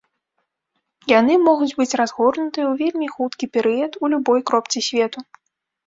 Яны могуць быць разгорнутыя ў вельмі хуткі перыяд у любой кропцы свету.